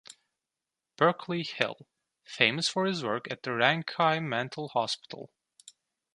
Berkeley Hill, famous for his work at the Ranchi Mental Hospital.